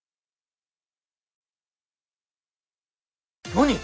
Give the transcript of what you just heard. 何？